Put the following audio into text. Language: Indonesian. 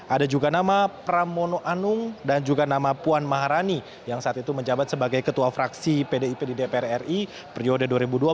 ada juga nama pramono anung dan juga nama puan maharani yang saat itu menjabat sebagai ketua fraksi pdip di dpr ri periode dua ribu dua puluh